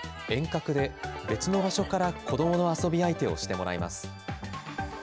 遠隔で別の場所から子どもの遊び相手をしてもらいます。